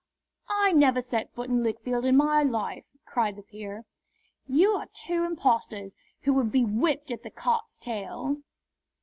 "I never set foot in Lichfield in my life!" cried the peer. "You are two impostors who should be whipped at the cart's tail."